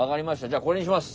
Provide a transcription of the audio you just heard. じゃあこれにします。